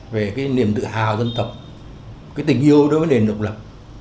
về cái niềm tự hào dân tộc cái tình yêu đối với nền độc lập